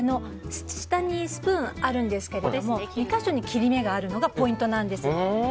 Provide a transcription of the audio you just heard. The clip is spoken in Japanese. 下にスプーンあるんですけれども２か所に切り目があるのがポイントなんです。